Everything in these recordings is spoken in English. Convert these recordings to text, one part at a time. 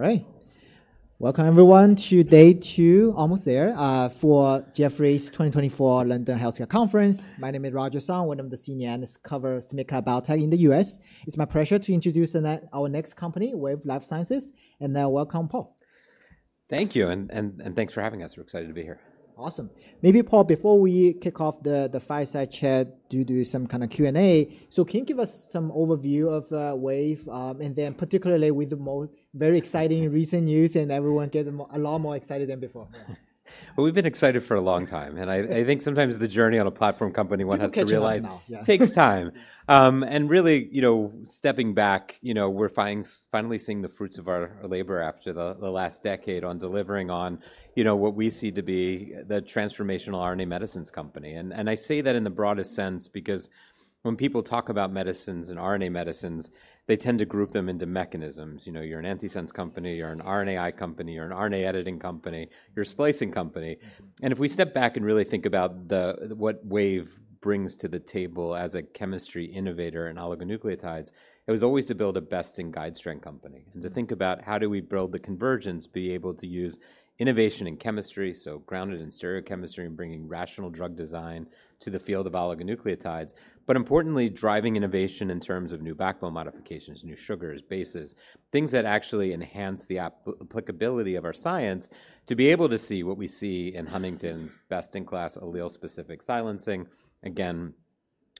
All right. Welcome, everyone, to day two, almost there, for Jefferies 2024 London Healthcare Conference. My name is Roger Song, one of the senior analysts covering SMID-cap biotech in the US. It's my pleasure to introduce our next company, Wave Life Sciences, and welcome, Paul. Thank you, and thanks for having us. We're excited to be here. Awesome. Maybe, Paul, before we kick off the fireside chat, do some kind of Q&A. So can you give us some overview of Wave and then particularly with the most very exciting recent news and everyone getting a lot more excited than before? We've been excited for a long time, and I think sometimes the journey on a platform company one has to realize takes time. Really, you know, stepping back, you know, we're finally seeing the fruits of our labor after the last decade on delivering on, you know, what we see to be the transformational RNA medicines company. I say that in the broadest sense because when people talk about medicines and RNA medicines, they tend to group them into mechanisms. You know, you're an antisense company, you're an RNAi company, you're an RNA editing company, you're a splicing company. And if we step back and really think about what Wave brings to the table as a chemistry innovator in oligonucleotides, it was always to build a best-in-class strength company and to think about how do we build the convergence, be able to use innovation in chemistry, so grounded in stereochemistry and bringing rational drug design to the field of oligonucleotides, but importantly, driving innovation in terms of new backbone modifications, new sugars, bases, things that actually enhance the applicability of our science to be able to see what we see in Huntington's best-in-class allele-specific silencing, again,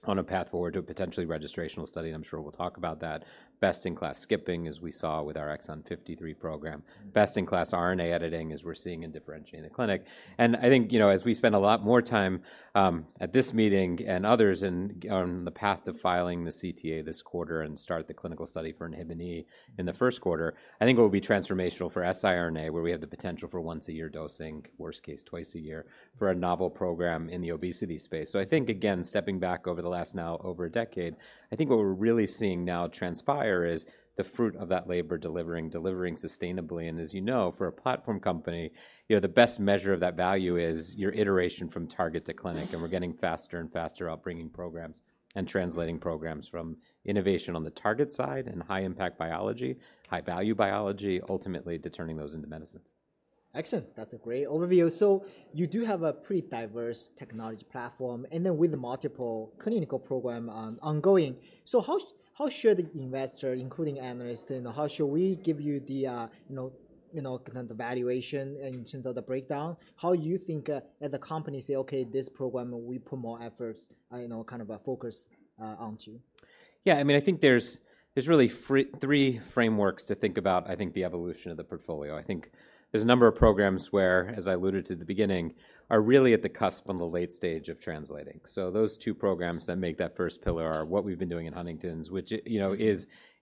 on a path forward to a potentially registrational study. And I'm sure we'll talk about that. Best-in-class skipping, as we saw with our Exon 53 program. Best-in-class RNA editing, as we're seeing in differentiating the clinic. I think, you know, as we spend a lot more time at this meeting and others on the path to filing the CTA this quarter and start the clinical study for inhibin in the first quarter, I think it will be transformational for siRNA, where we have the potential for once-a-year dosing, worst case twice a year, for a novel program in the obesity space. So I think, again, stepping back over the last now over a decade, I think what we're really seeing now transpire is the fruit of that labor delivering, delivering sustainably. And as you know, for a platform company, you know, the best measure of that value is your iteration from target to clinic, and we're getting faster and faster bringing up programs and translating programs from innovation on the target side and high-impact biology, high-value biology, ultimately turning those into medicines. Excellent. That's a great overview. You do have a pretty diverse technology platform and then with multiple clinical programs ongoing. How should the investor, including analysts, you know, how should we give you the, you know, kind of the valuation in terms of the breakdown? How do you think as a company say, okay, this program we put more efforts, you know, kind of a focus onto? Yeah, I mean, I think there's really three frameworks to think about, I think, the evolution of the portfolio. I think there's a number of programs where, as I alluded to at the beginning, are really at the cusp on the late stage of translating. So those two programs that make that first pillar are what we've been doing in Huntington's, which, you know,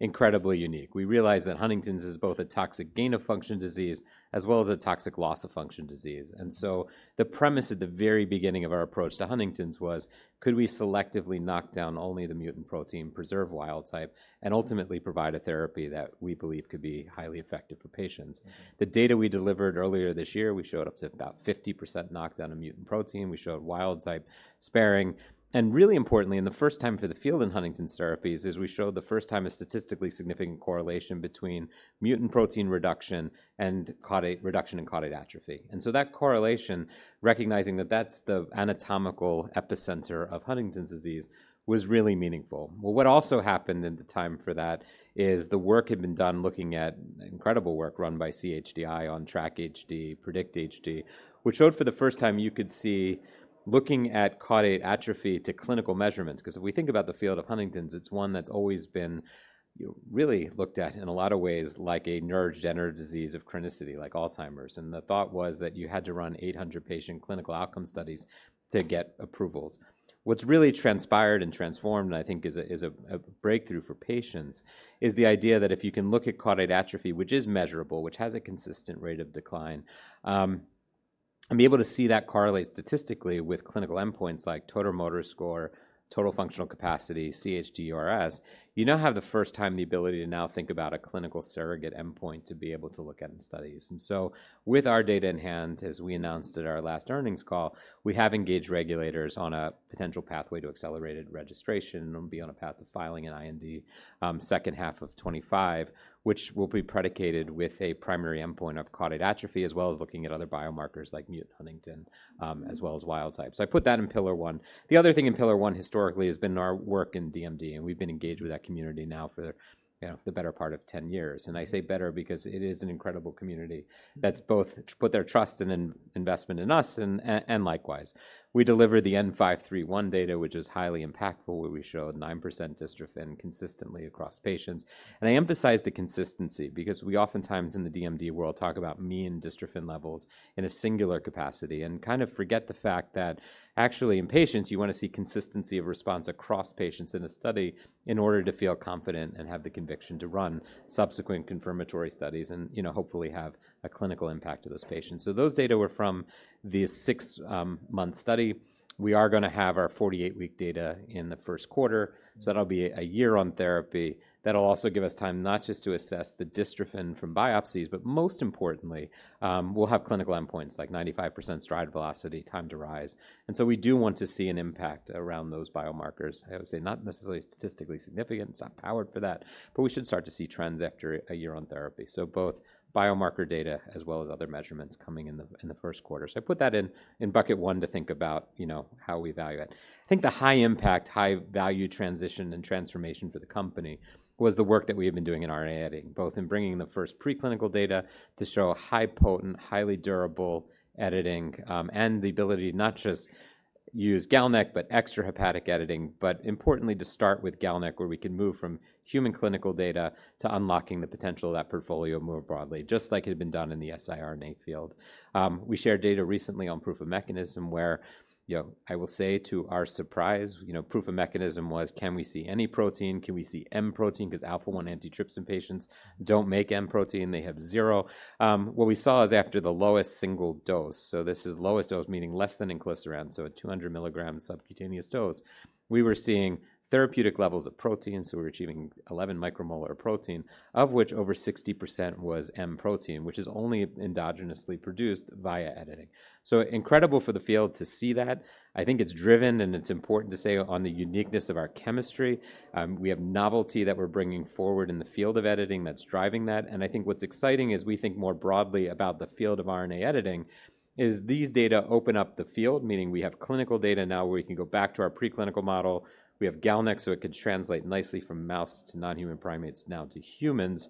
is incredibly unique. We realize that Huntington's is both a toxic gain-of-function disease as well as a toxic loss-of-function disease. And so the premise at the very beginning of our approach to Huntington's was, could we selectively knock down only the mutant protein, preserve wild type, and ultimately provide a therapy that we believe could be highly effective for patients? The data we delivered earlier this year, we showed up to about 50% knockdown of mutant protein. We showed wild type sparing. And really importantly, and the first time for the field in Huntington's therapies is we showed the first time a statistically significant correlation between mutant protein reduction and reduction in caudate atrophy. And so that correlation, recognizing that that's the anatomical epicenter of Huntington's disease, was really meaningful. Well, what also happened in the time for that is the work had been done looking at incredible work run by CHDI on Track-HD, Predict-HD, which showed for the first time you could see looking at caudate atrophy to clinical measurements. Because if we think about the field of Huntington's, it's one that's always been really looked at in a lot of ways like a neurodegenerative disease of chronicity like Alzheimer's. And the thought was that you had to run 800-patient clinical outcome studies to get approvals. What's really transpired and transformed, I think, is a breakthrough for patients is the idea that if you can look at caudate atrophy, which is measurable, which has a consistent rate of decline, and be able to see that correlate statistically with clinical endpoints like total motor score, total functional capacity, cUHDRS, you now have the first time the ability to now think about a clinical surrogate endpoint to be able to look at in studies. And so with our data in hand, as we announced at our last earnings call, we have engaged regulators on a potential pathway to accelerated registration and will be on a path to filing an IND second half of 2025, which will be predicated with a primary endpoint of caudate atrophy as well as looking at other biomarkers like mutant huntingtin as well as wild-type. So I put that in pillar one. The other thing in pillar one historically has been our work in DMD, and we've been engaged with that community now for the better part of 10 years, and I say better because it is an incredible community that's both put their trust and investment in us and likewise. We delivered the N531 data, which is highly impactful, where we showed 9% dystrophin consistently across patients, and I emphasize the consistency because we oftentimes in the DMD world talk about mean dystrophin levels in a singular capacity and kind of forget the fact that actually in patients you want to see consistency of response across patients in a study in order to feel confident and have the conviction to run subsequent confirmatory studies and, you know, hopefully have a clinical impact to those patients, so those data were from the six-month study. We are going to have our 48-week data in the first quarter. So that'll be a year on therapy. That'll also give us time not just to assess the dystrophin from biopsies, but most importantly, we'll have clinical endpoints like 95% stride velocity, time to rise, and so we do want to see an impact around those biomarkers. I would say not necessarily statistically significant. It's not powered for that, but we should start to see trends after a year on therapy, so both biomarker data as well as other measurements coming in the first quarter, so I put that in bucket one to think about, you know, how we value it. I think the high impact, high value transition and transformation for the company was the work that we have been doing in RNA editing, both in bringing the first preclinical data to show highly potent, highly durable editing and the ability to not just use GalNAc, but extrahepatic editing, but importantly to start with GalNAc where we can move from human clinical data to unlocking the potential of that portfolio more broadly, just like it had been done in the siRNA field. We shared data recently on proof of mechanism where, you know, I will say to our surprise, you know, proof of mechanism was, can we see any protein? Can we see M protein? Because alpha-1 antitrypsin patients don't make M protein. They have zero. What we saw is after the lowest single dose, so this is lowest dose meaning less than in inclisiran, so a 200 milligram subcutaneous dose, we were seeing therapeutic levels of protein. So we're achieving 11 micromolar of protein, of which over 60% was M protein, which is only endogenously produced via editing. So incredible for the field to see that. I think it's driven and it's important to say on the uniqueness of our chemistry. We have novelty that we're bringing forward in the field of editing that's driving that. And I think what's exciting is we think more broadly about the field of RNA editing is these data open up the field, meaning we have clinical data now where we can go back to our preclinical model. We have GalNAc, so it could translate nicely from mouse to non-human primates, now to humans.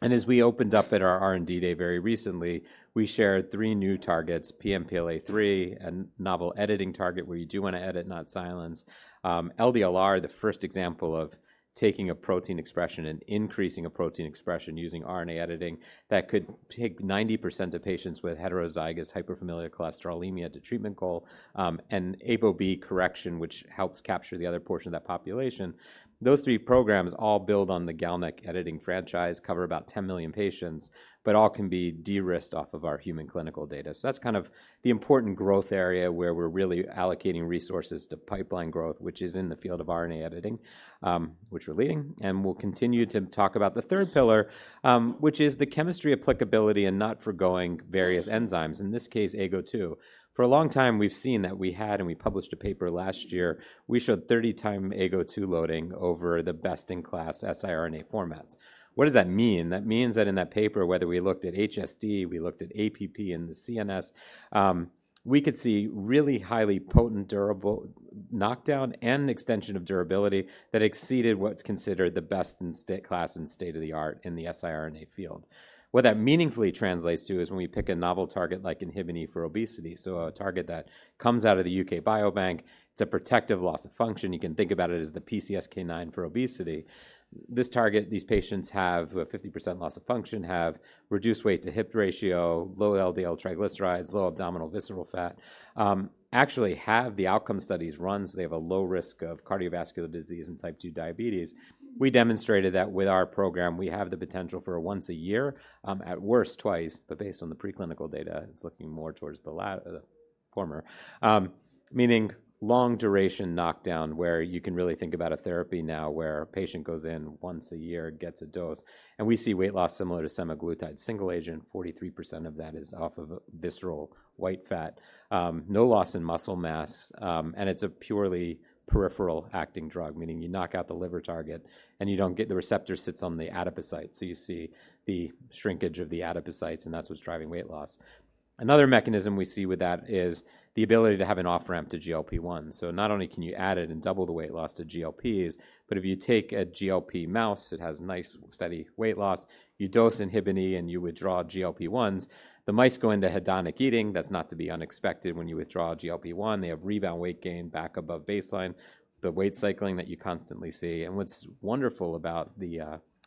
As we opened up at our R&D day very recently, we shared three new targets: PNPLA3, a novel editing target where you do want to edit, not silence, LDLR, the first example of taking a protein expression and increasing a protein expression using RNA editing that could take 90% of patients with heterozygous familial hypercholesterolemia to treatment goal and ApoB correction, which helps capture the other portion of that population. Those three programs all build on the GalNAc editing franchise, cover about 10 million patients, but all can be de-risked off of our human clinical data. That's kind of the important growth area where we're really allocating resources to pipeline growth, which is in the field of RNA editing, which we're leading. We'll continue to talk about the third pillar, which is the chemistry applicability and not forgoing various enzymes, in this case, AGO2. For a long time, we've seen that we had, and we published a paper last year, we showed 30-time AGO2 loading over the best-in-class siRNA formats. What does that mean? That means that in that paper, whether we looked at HSD, we looked at APP and the CNS, we could see really highly potent, durable knockdown and extension of durability that exceeded what's considered the best in class and state of the art in the siRNA field. What that meaningfully translates to is when we pick a novel target like inhibin for obesity, so a target that comes out of the UK Biobank, it's a protective loss of function. You can think about it as the PCSK9 for obesity. This target, these patients have a 50% loss of function, have reduced weight to hip ratio, low LDL triglycerides, low abdominal visceral fat, actually have the outcome studies runs. They have a low risk of cardiovascular disease and type 2 diabetes. We demonstrated that with our program, we have the potential for a once a year, at worst twice, but based on the preclinical data, it's looking more towards the former, meaning long duration knockdown where you can really think about a therapy now where a patient goes in once a year, gets a dose, and we see weight loss similar to semaglutide single agent. 43% of that is off of visceral white fat, no loss in muscle mass, and it's a purely peripheral acting drug, meaning you knock out the liver target and you don't get the receptor sits on the adipocytes. So you see the shrinkage of the adipocytes, and that's what's driving weight loss. Another mechanism we see with that is the ability to have an off-ramp to GLP-1. Not only can you add it and double the weight loss to GLPs, but if you take a GLP mouse, it has nice steady weight loss. You dose inhibin and you withdraw GLP-1s; the mice go into hedonic eating. That's not to be unexpected when you withdraw GLP-1. They have rebound weight gain back above baseline, the weight cycling that you constantly see. What's wonderful about the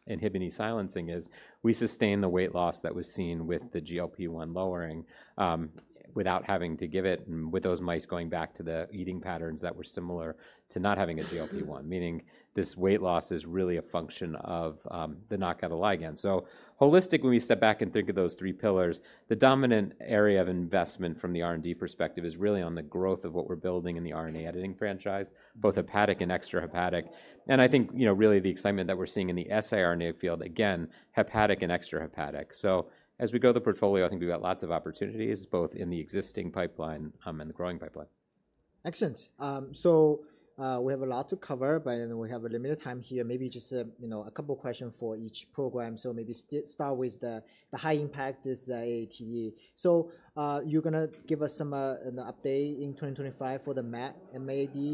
inhibin silencing is we sustain the weight loss that was seen with the GLP-1 lowering without having to give it and with those mice going back to the eating patterns that were similar to not having a GLP-1, meaning this weight loss is really a function of the knockout of ligand. So holistic, when we step back and think of those three pillars, the dominant area of investment from the R&D perspective is really on the growth of what we're building in the RNA editing franchise, both hepatic and extra hepatic, and I think, you know, really the excitement that we're seeing in the siRNA field, again, hepatic and extra hepatic, so as we grow the portfolio, I think we've got lots of opportunities both in the existing pipeline and the growing pipeline. Excellent. So we have a lot to cover, but then we have a limited time here. Maybe just a, you know, a couple of questions for each program. So maybe start with the high impact is the AATD. So you're going to give us some update in 2025 for the MAD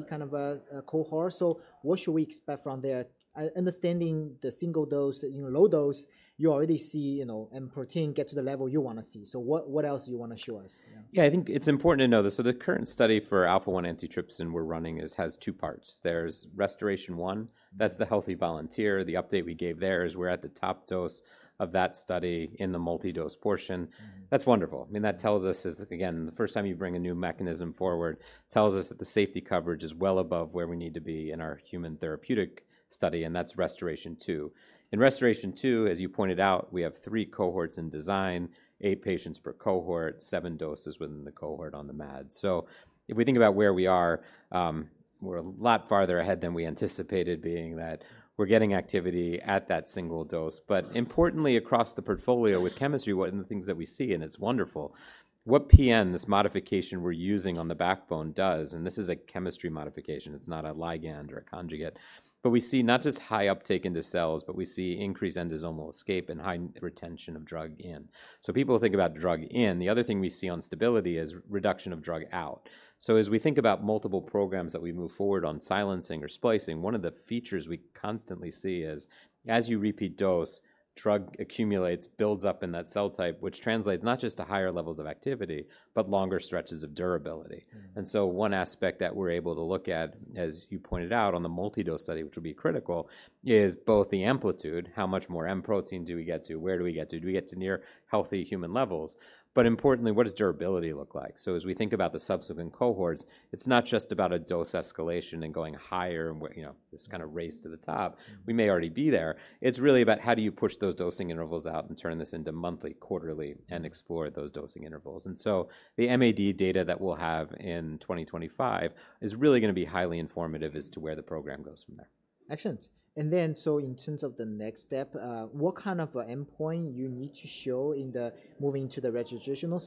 kind of a cohort. So what should we expect from there? Understanding the single dose, you know, low dose, you already see, you know, M protein get to the level you want to see. So what else do you want to show us? Yeah, I think it's important to know this. So the current study for alpha-1 antitrypsin we're running has two parts. There's RestorAATion-1, that's the healthy volunteer. The update we gave there is we're at the top dose of that study in the multi-dose portion. That's wonderful. I mean, that tells us, again, the first time you bring a new mechanism forward, tells us that the safety coverage is well above where we need to be in our human therapeutic study, and that's RestorAATion-2. In RestorAATion-2, as you pointed out, we have three cohorts in design, eight patients per cohort, seven doses within the cohort on the MAD. So if we think about where we are, we're a lot farther ahead than we anticipated, being that we're getting activity at that single dose. But importantly, across the portfolio with chemistry, what are the things that we see? It's wonderful. What PN, this modification we're using on the backbone does, and this is a chemistry modification. It's not a ligand or a conjugate, but we see not just high uptake into cells, but we see increased endosomal escape and high retention of drug in. People think about drug in. The other thing we see on stability is reduction of drug out. As we think about multiple programs that we move forward on silencing or splicing, one of the features we constantly see is as you repeat dose, drug accumulates, builds up in that cell type, which translates not just to higher levels of activity, but longer stretches of durability. One aspect that we're able to look at, as you pointed out on the multi-dose study, which will be critical, is both the amplitude, how much more M protein do we get to, where do we get to, do we get to near healthy human levels, but importantly, what does durability look like? As we think about the subsequent cohorts, it's not just about a dose escalation and going higher and, you know, this kind of race to the top. We may already be there. It's really about how do you push those dosing intervals out and turn this into monthly, quarterly, and explore those dosing intervals. The MAD data that we'll have in 2025 is really going to be highly informative as to where the program goes from there. Excellent. And then so in terms of the next step, what kind of an endpoint you need to show in the moving to the registrational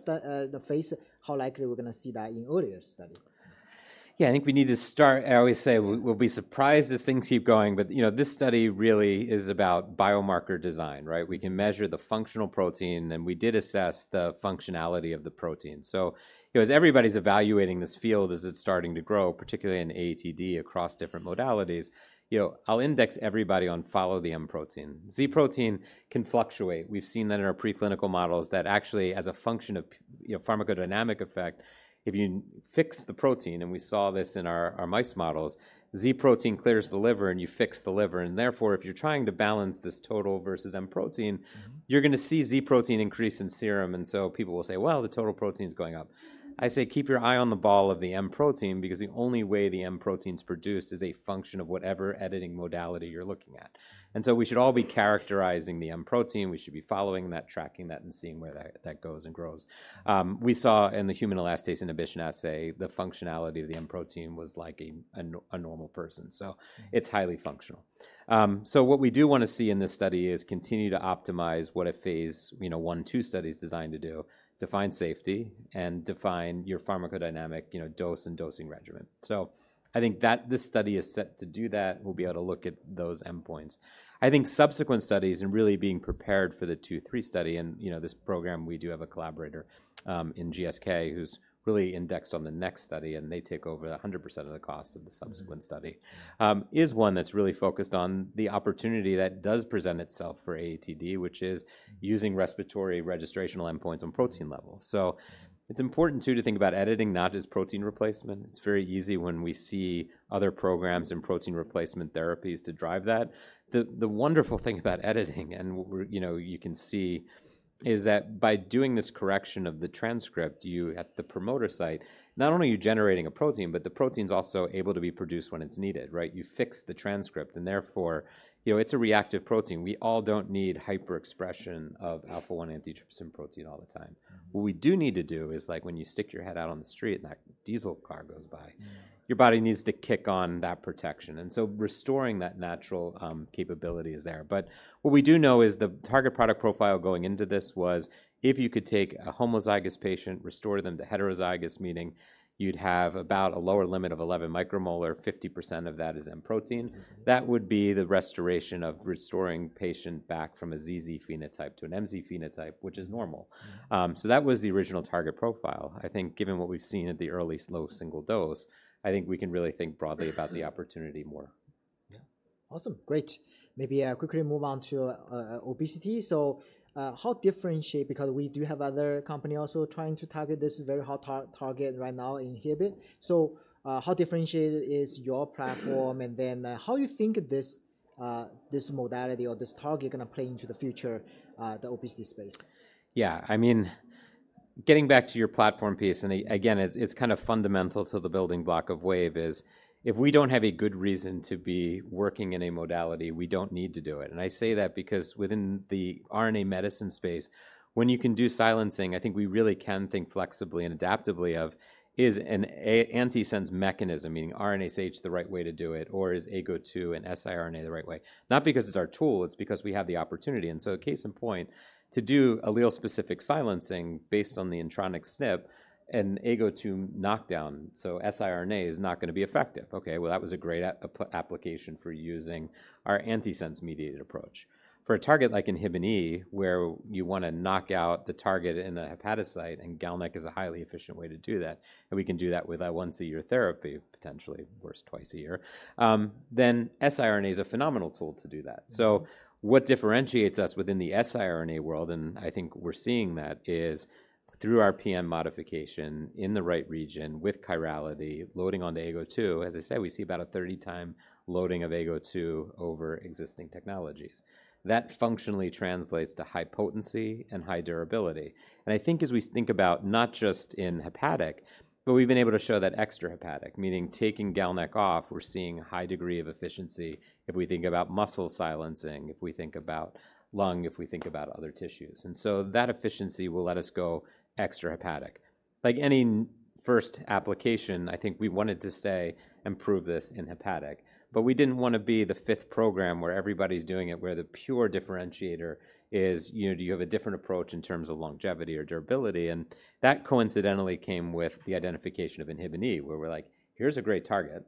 phase? How likely we're going to see that in earlier study? Yeah, I think we need to start. I always say, we'll be surprised as things keep going, but you know, this study really is about biomarker design, right? We can measure the functional protein, and we did assess the functionality of the protein. So as everybody's evaluating this field, as it's starting to grow, particularly in AATD across different modalities, you know, I'll index everybody on follow the M protein. Z protein can fluctuate. We've seen that in our preclinical models that actually as a function of, you know, pharmacodynamic effect, if you fix the protein, and we saw this in our mice models, Z protein clears the liver and you fix the liver. And therefore, if you're trying to balance this total versus M protein, you're going to see Z protein increase in serum. And so people will say, well, the total protein is going up. I say keep your eye on the ball of the M protein because the only way the M protein is produced is a function of whatever editing modality you're looking at. And so we should all be characterizing the M protein. We should be following that, tracking that, and seeing where that goes and grows. We saw in the human elastase inhibition assay, the functionality of the M protein was like a normal person. So it's highly functional. So what we do want to see in this study is continue to optimize what a phase, you know, one, two study is designed to do, define safety, and define your pharmacodynamic, you know, dose and dosing regimen. So I think that this study is set to do that. We'll be able to look at those endpoints. I think subsequent studies and really being prepared for the two, three study, and you know, this program. We do have a collaborator in GSK who's really indexed on the next study, and they take over 100% of the cost of the subsequent study. It is one that's really focused on the opportunity that does present itself for AATD, which is using respiratory registrational endpoints on protein levels. So it's important too to think about editing not as protein replacement. It's very easy when we see other programs in protein replacement therapies to drive that. The wonderful thing about editing and what we're, you know, you can see is that by doing this correction of the transcript, you at the promoter site, not only are you generating a protein, but the protein's also able to be produced when it's needed, right? You know, it's a reactive protein. We all don't need hyperexpression of alpha-1 antitrypsin protein all the time. What we do need to do is like when you stick your head out on the street and that diesel car goes by, your body needs to kick on that protection and so restoring that natural capability is there, but what we do know is the target product profile going into this was if you could take a homozygous patient, restore them to heterozygous, meaning you'd have about a lower limit of 11 micromolar, 50% of that is M protein. That would be the restoration of restoring patient back from a ZZ phenotype to an MZ phenotype, which is normal, so that was the original target profile. I think given what we've seen at the early low single dose, I think we can really think broadly about the opportunity more. Yeah. Awesome. Great. Maybe quickly move on to obesity. So how differentiate, because we do have other companies also trying to target this very hot target right now, inhibin. So how differentiated is your platform, and then how do you think this modality or this target is going to play into the future, the obesity space? Yeah, I mean, getting back to your platform piece, and again, it's kind of fundamental to the building block of Wave is if we don't have a good reason to be working in a modality, we don't need to do it. And I say that because within the RNA medicine space, when you can do silencing, I think we really can think flexibly and adaptively of is an antisense mechanism, meaning RNA is the right way to do it, or is AGO2 and siRNA the right way? Not because it's our tool, it's because we have the opportunity. And so a case in point to do allele-specific silencing based on the intronic SNP and AGO2 knockdown, so siRNA is not going to be effective. Okay, well, that was a great application for using our antisense mediated approach. For a target like inhibin, where you want to knock out the target in the hepatocyte and GalNAc is a highly efficient way to do that, and we can do that with a once-a-year therapy, potentially worse twice a year, then siRNA is a phenomenal tool to do that. So what differentiates us within the siRNA world, and I think we're seeing that is through our PN modification in the right region with chirality loading onto AGO2. As I said, we see about a 30-time loading of AGO2 over existing technologies. That functionally translates to high potency and high durability. And I think as we think about not just in hepatic, but we've been able to show that extra hepatic, meaning taking GalNAc off, we're seeing a high degree of efficiency if we think about muscle silencing, if we think about lung, if we think about other tissues. And so that efficiency will let us go extra hepatic. Like any first application, I think we wanted to say improve this in hepatic, but we didn't want to be the fifth program where everybody's doing it, where the pure differentiator is, you know, do you have a different approach in terms of longevity or durability? And that coincidentally came with the identification of inhibin where we're like, here's a great target.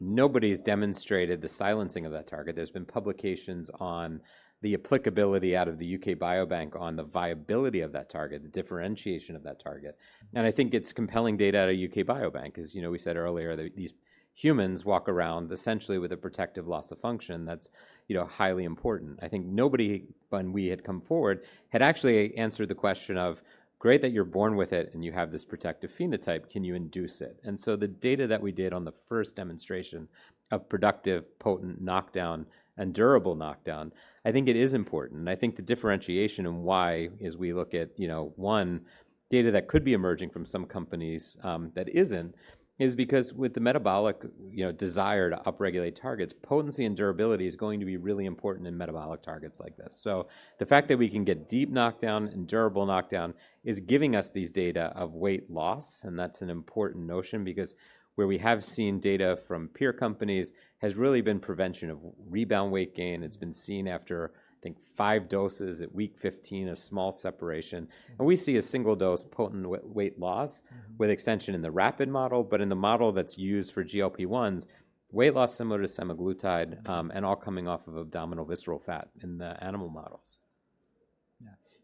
Nobody's demonstrated the silencing of that target. There's been publications on the applicability out of the UK Biobank on the viability of that target, the differentiation of that target. And I think it's compelling data at a UK Biobank because, you know, we said earlier that these humans walk around essentially with a protective loss of function that's, you know, highly important. I think nobody, when we had come forward, had actually answered the question of, "great that you're born with it and you have this protective phenotype, can you induce it?" And so the data that we did on the first demonstration of productive potent knockdown and durable knockdown, I think it is important. And I think the differentiation and why is we look at, you know, one, data that could be emerging from some companies that isn't is because with the metabolic, you know, desire to upregulate targets, potency and durability is going to be really important in metabolic targets like this. So the fact that we can get deep knockdown and durable knockdown is giving us these data of weight loss. And that's an important notion because where we have seen data from peer companies has really been prevention of rebound weight gain. It's been seen after, I think, five doses at week 15, a small separation, and we see a single dose potent weight loss with extension in the rapid model, but in the model that's used for GLP-1s, weight loss similar to semaglutide and all coming off of abdominal visceral fat in the animal models.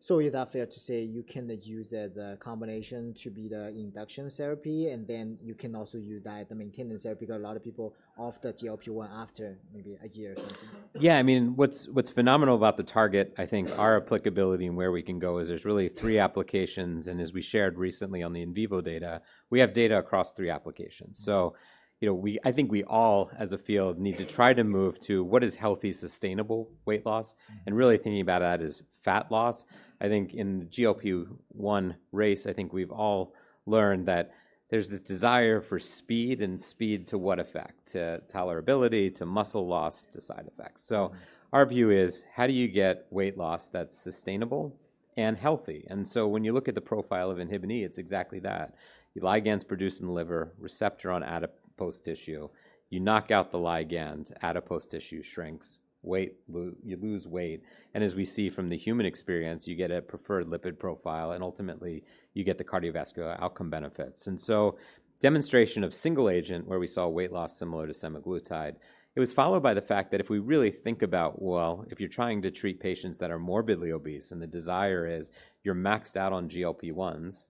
Yeah. So is that fair to say you can use the combination to be the induction therapy and then you can also use diet to maintain the therapy because a lot of people off the GLP-1 after maybe a year or something? Yeah, I mean, what's phenomenal about the target? I think our applicability and where we can go is there's really three applications. And as we shared recently on the in vivo data, we have data across three applications. So, you know, I think we all as a field need to try to move to what is healthy, sustainable weight loss. And really thinking about that is fat loss. I think in the GLP-1 race, I think we've all learned that there's this desire for speed and speed to what effect? To tolerability, to muscle loss, to side effects. So our view is how do you get weight loss that's sustainable and healthy? And so when you look at the profile of inhibin, it's exactly that. Ligands produce in the liver, receptor on adipose tissue, you knock out the ligand, adipose tissue shrinks, weight, you lose weight. As we see from the human experience, you get a preferred lipid profile and ultimately you get the cardiovascular outcome benefits. And so demonstration of single agent where we saw weight loss similar to Semaglutide, it was followed by the fact that if we really think about, well, if you're trying to treat patients that are morbidly obese and the desire is you're maxed out on GLP-1s,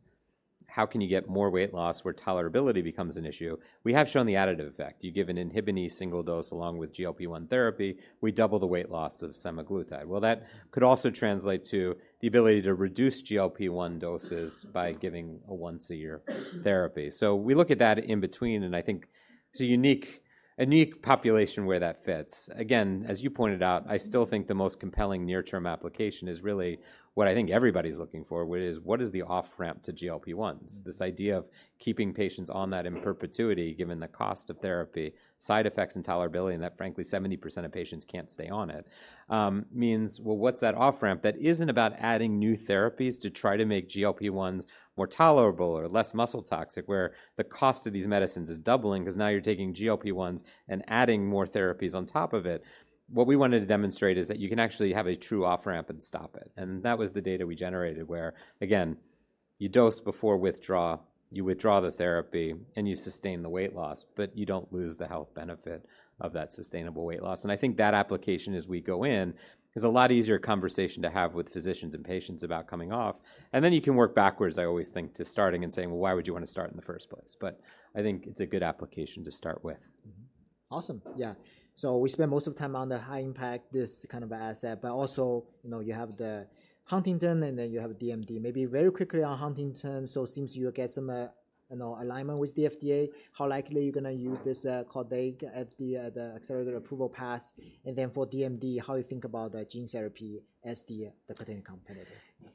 how can you get more weight loss where tolerability becomes an issue? We have shown the additive effect. You give an inhibin single dose along with GLP-1 therapy, we double the weight loss of Semaglutide. That could also translate to the ability to reduce GLP-1 doses by giving a once-a-year therapy. We look at that in between and I think it's a unique population where that fits. Again, as you pointed out, I still think the most compelling near-term application is really what I think everybody's looking for is what is the off-ramp to GLP-1s? This idea of keeping patients on that in perpetuity, given the cost of therapy, side effects and tolerability, and that frankly 70% of patients can't stay on it, means, well, what's that off-ramp that isn't about adding new therapies to try to make GLP-1s more tolerable or less muscle toxic where the cost of these medicines is doubling because now you're taking GLP-1s and adding more therapies on top of it? What we wanted to demonstrate is that you can actually have a true off-ramp and stop it. And that was the data we generated where, again, you dose before withdraw, you withdraw the therapy and you sustain the weight loss, but you don't lose the health benefit of that sustainable weight loss. And I think that application as we go in is a lot easier conversation to have with physicians and patients about coming off. And then you can work backwards, I always think, to starting and saying, well, why would you want to start in the first place? But I think it's a good application to start with. Awesome. Yeah. So we spend most of the time on the high impact, this kind of asset, but also, you know, you have the Huntington and then you have DMD. Maybe very quickly on Huntington, so it seems you'll get some, you know, alignment with the FDA. How likely are you going to use this caudate at the accelerated approval path? And then for DMD, how do you think about the gene therapy as the competitor?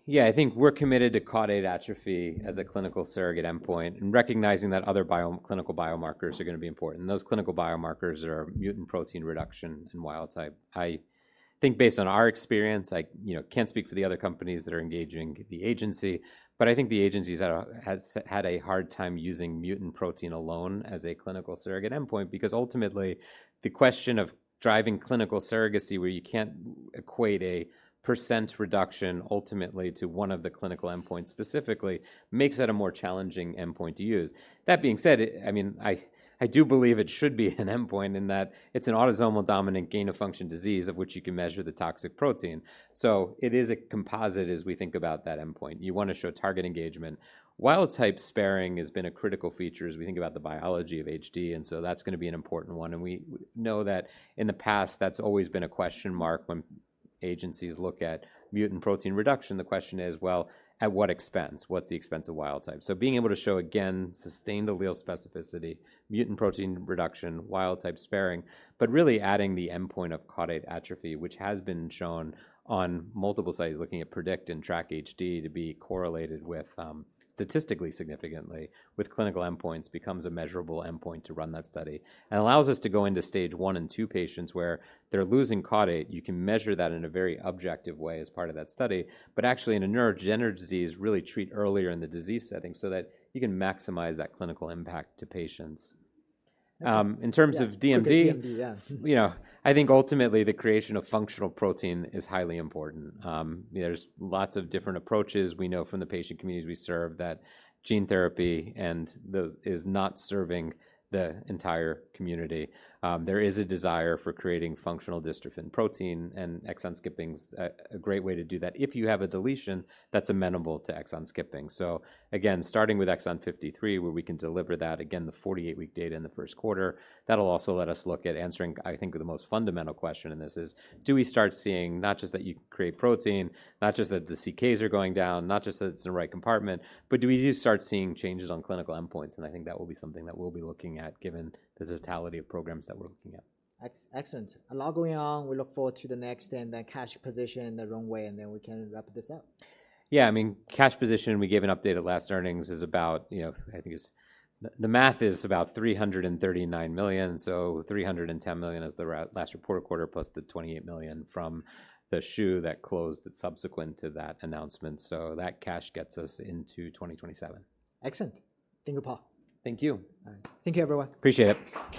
Yeah, I think we're committed to caudate atrophy as a clinical surrogate endpoint and recognizing that other clinical biomarkers are going to be important, and those clinical biomarkers are mutant protein reduction and wild type. I think based on our experience, you know, can't speak for the other companies that are engaging the agency, but I think the agency has had a hard time using mutant protein alone as a clinical surrogate endpoint because ultimately the question of driving clinical surrogacy where you can't equate a percent reduction ultimately to one of the clinical endpoints specifically makes that a more challenging endpoint to use. That being said, I mean, I do believe it should be an endpoint in that it's an autosomal dominant gain of function disease of which you can measure the toxic protein, so it is a composite as we think about that endpoint. You want to show target engagement. Wild type sparing has been a critical feature as we think about the biology of HD, and so that's going to be an important one. We know that in the past, that's always been a question mark when agencies look at mutant protein reduction. The question is, well, at what expense? What's the expense of wild type? Being able to show, again, sustained allele specificity, mutant protein reduction, wild type sparing, but really adding the endpoint of caudate atrophy, which has been shown on multiple studies looking at Predict-HD and Track-HD to be correlated statistically significantly with clinical endpoints becomes a measurable endpoint to run that study and allows us to go into stage one and two patients where they're losing caudate. You can measure that in a very objective way as part of that study, but actually in a neurodegenerative disease, really treat earlier in the disease setting so that you can maximize that clinical impact to patients. In terms of DMD, you know, I think ultimately the creation of functional protein is highly important. There's lots of different approaches. We know from the patient communities we serve that gene therapy is not serving the entire community. There is a desire for creating functional dystrophin protein and exon skipping's a great way to do that. If you have a deletion, that's amenable to exon skipping. So, again, starting with Exon 53, where we can deliver that, again, the 48-week data in the first quarter, that'll also let us look at answering, I think, the most fundamental question in this is, do we start seeing not just that you create protein, not just that the CKs are going down, not just that it's in the right compartment, but do we start seeing changes on clinical endpoints? And I think that will be something that we'll be looking at given the totality of programs that we're looking at. Excellent. A lot going on. We look forward to the next and then cash position in the runway, and then we can wrap this up. Yeah, I mean, cash position, we gave an update at last earnings is about, you know, I think the math is about $339 million. So $310 million is the last report quarter plus the $28 million from the shoe that closed that subsequent to that announcement. So that cash gets us into 2027. Excellent. Finger paw. Thank you. Thank you, everyone. Appreciate it.